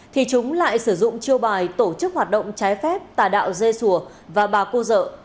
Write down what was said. thì chúng lại sử dụng chiêu bài tổ chức hoạt động trái phép tà đạo dê sùa và bà cô dợ